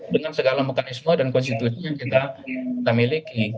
dengan segala mekanisme dan konstitusi yang kita miliki